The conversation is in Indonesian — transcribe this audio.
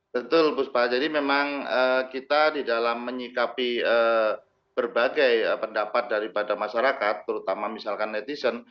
betul puspa jadi memang kita di dalam menyikapi berbagai pendapat daripada masyarakat terutama misalkan netizen